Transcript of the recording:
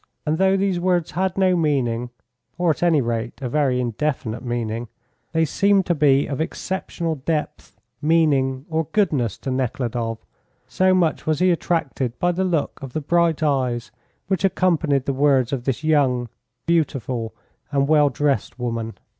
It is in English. And though these words had no meaning, or at any rate a very indefinite meaning, they seemed to be of exceptional depth, meaning, or goodness to Nekhludoff, so much was he attracted by the look of the bright eyes which accompanied the words of this young, beautiful, and well dressed woman.